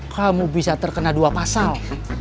kamu bisa terkena dua pasal